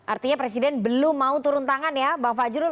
artinya presiden belum mau turun tangan ya bang fajrul